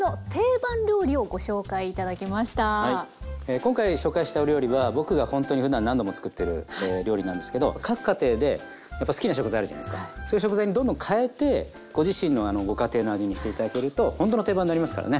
今回紹介したお料理は僕がほんとにふだん何度もつくってる料理なんですけど各家庭でやっぱ好きな食材あるじゃないですかそういう食材にどんどん変えてご自身のご家庭の味にして頂けるとほんとの定番なりますからね。